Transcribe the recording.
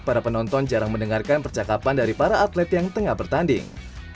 para penonton jarang mendengarkan percakapan dari para atlet yang tengah bertanding